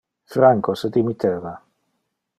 Franco se dimitteva.